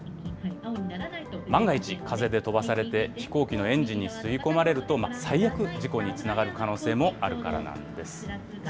万が一、風で飛ばされて飛行機のエンジンに吸い込まれると、最悪、事故につながる可能性もあるからなんです。